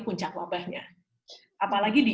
puncak wabahnya apalagi di